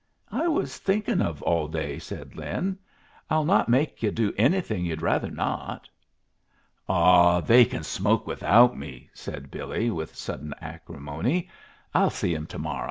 "I was thinkin' of all day," said Lin. "I'll not make yu' do anything yu'd rather not." "Ah, they can smoke without me," said Billy, with sudden acrimony. "I'll see 'em to morro'."